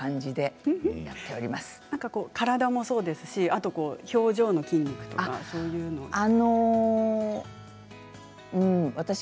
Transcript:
体もそうですし表情の筋肉というのは？